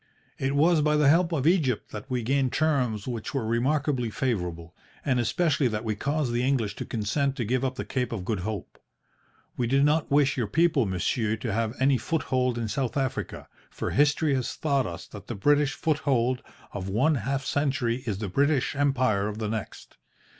It was by the help of Egypt that we gained terms which were remarkably favourable, and especially that we caused the English to consent to give up the Cape of Good Hope. We did not wish your people, monsieur, to have any foothold in South Africa, for history has taught us that the British foothold of one half century is the British Empire of the next.